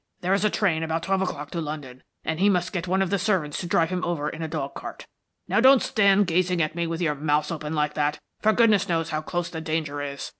There is a train about twelve o'clock to London, and he must get one of the servants to drive him over in a dogcart. Now don't stand gazing at me with your mouths open like that, for goodness knows how close the danger is.